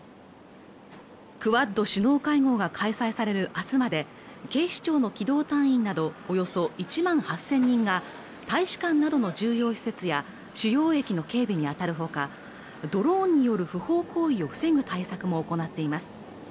クアッド首脳会合が開催される明日まで警視庁の機動隊員などおよそ１万８０００人が大使館などの重要施設や主要駅の警備に当たるほかドローンによる不法行為を防ぐ対策も行っています